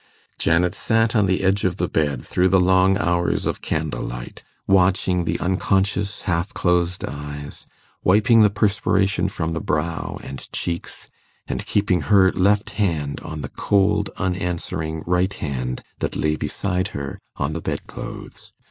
Janet sat on the edge of the bed through the long hours of candle light, watching the unconscious half closed eyes, wiping the perspiration from the brow and cheeks, and keeping her left hand on the cold unanswering right hand that lay beside her on the bed clothes.